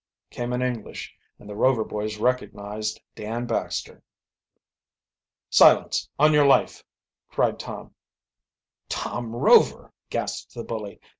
came in English and the Rover boys recognized Dan Baxter. "Silence, on your life!" cried Tom. "Tom Rover!" gasped the bully.